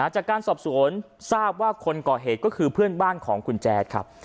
จากการสอบสวนทราบว่าคนก่อเหตุก็คือเพื่อนบ้านของคุณแจ๊ดครับ